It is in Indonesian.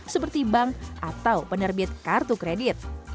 seperti bank atau penerbit kartu kredit